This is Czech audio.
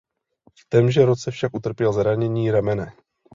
V témže roce však utrpěl zranění ramene.